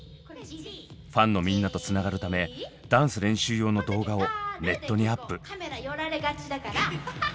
ファンのみんなとつながるためダンス練習用の動画をネットにアップ。